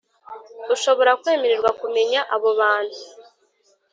ushobora kwemererwa kumenya abo bantu